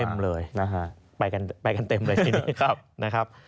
โอ้โฮเต็มเลยไปกันเต็มเลยทีนี้